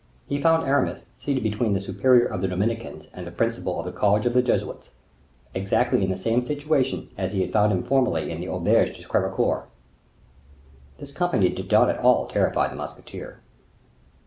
He found Aramis seated between the superior of the Dominicans and the principal of the college of the Jesuits, exactly in the same situation as he had found him formerly in the auberge at Crevecoeur. This company did not at all terrify the musketeer.